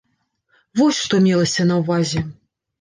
Вось што мелася на ўвазе.